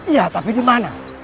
iya tapi di mana